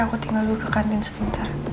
aku tinggal lu ke kantin sebentar